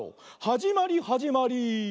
はじまりはじまり。